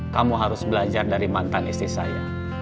kamu harus belajar dari mantan istri saya